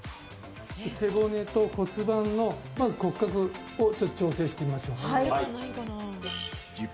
背骨と骨盤の骨格を矯正してみましょう。